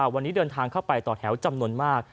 วันนี้เดินทางเข้าไปต่อแถวจำนวนมาก